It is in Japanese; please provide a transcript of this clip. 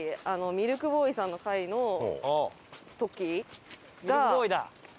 ミルクボーイさんの回の時が。